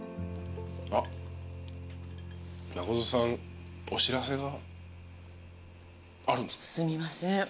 あっ真琴さんお知らせがあるんですか？